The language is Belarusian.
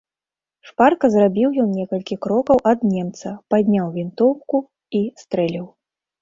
Шпарка зрабіў ён некалькі крокаў ад немца, падняў вінтоўку і стрэліў.